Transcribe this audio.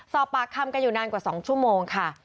สอบปากคำกันอยู่นานกว่า๒ชั่วโมงค่ะ